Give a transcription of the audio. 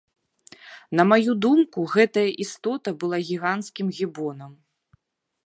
На маю думку гэтая істота была гіганцкім гібонам.